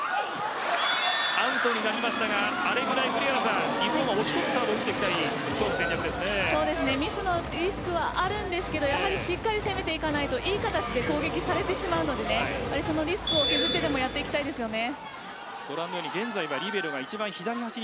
アウトになりましたがあれぐらい日本は押し込むサーブをリスクはあるんですがしっかり攻めていかないといい形で攻撃されてしまうのでリスクを負ってでもやっていきたいですね。